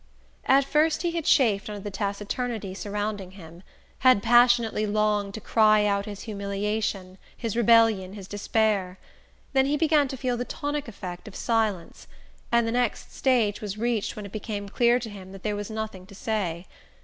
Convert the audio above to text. At first he had chafed under the taciturnity surrounding him: had passionately longed to cry out his humiliation, his rebellion, his despair. Then he began to feel the tonic effect of silence; and the next stage was reached when it became clear to him that there was nothing to say.